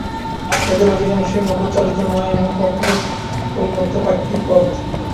এদের অধিকাংশই মোটরচালিত নয় এমন পথগুলির পরিবর্তে প্রাকৃতিক পথ।